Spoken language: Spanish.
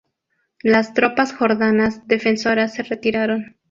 Las tropas jordanas defensoras se retiraron.